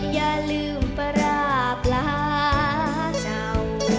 อย่าลืมปลาร่าปลาเจ้า